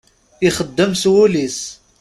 Ixeddem s wul-is.